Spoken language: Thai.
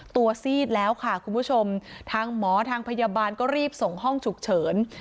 ซีดแล้วค่ะคุณผู้ชมทางหมอทางพยาบาลก็รีบส่งห้องฉุกเฉิน